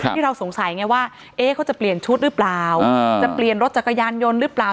ที่เราสงสัยไงว่าเขาจะเปลี่ยนชุดหรือเปล่าจะเปลี่ยนรถจักรยานยนต์หรือเปล่า